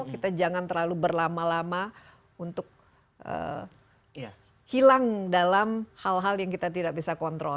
kita jangan terlalu berlama lama untuk hilang dalam hal hal yang kita tidak bisa kontrol